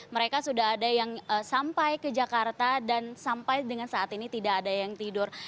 mereka sudah ada yang sampai ke jakarta dan sampai dengan saat ini tidak ada yang tidur